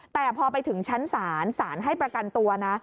แต่พอไปถึงชั้นศาลศาลให้ประกันตัวนะ